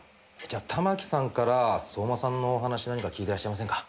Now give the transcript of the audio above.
じゃあ玉木さんから相馬さんのお話何か聞いてらっしゃいませんか？